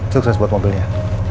sukses buat mobilnya